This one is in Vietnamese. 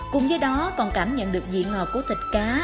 cùng với đó còn cảm nhận được vị ngọt của thịt cá